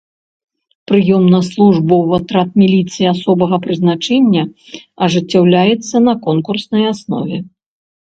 Прыём на службу ў атрад міліцыі асобага прызначэння ажыццяўляецца на конкурснай аснове.